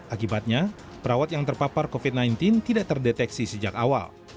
akibatnya perawat yang terpapar covid sembilan belas tidak terdeteksi sejak awal